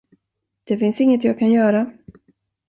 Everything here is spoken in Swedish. Det finns inget jag kan göra.